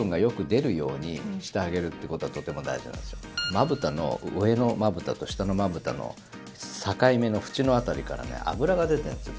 まぶたの、上のまぶたと下のまぶたの境目の縁の辺りから油が出てるんですよ。